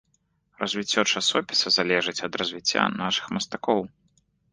Развіццё часопіса залежыць ад развіцця нашых мастакоў.